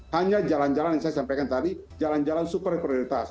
hanya jalan jalan yang saya sampaikan tadi jalan jalan super prioritas